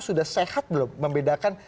sudah sehat belum membedakan